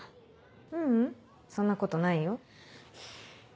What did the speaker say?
ううんそんなことないよ。